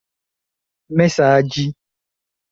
mesaĝi